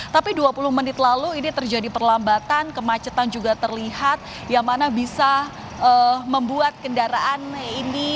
tapi dua puluh menit lalu ini terjadi perlambatan kemacetan juga terlihat yang mana bisa membuat kendaraan ini